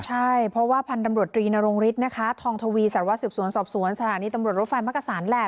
ใช่เพราะว่าพันธุ์ตำรวจตรีนรงฤทธินะคะทองทวีสารวัสสืบสวนสอบสวนสถานีตำรวจรถไฟมักกษันแหละ